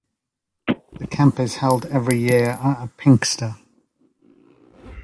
The camp is held every year at Pinkster.